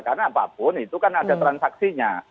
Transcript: karena apapun itu kan ada transaksinya